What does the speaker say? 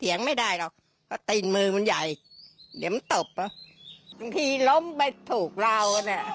ยอมกลัว